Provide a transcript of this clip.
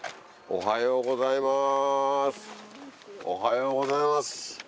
おはようございます。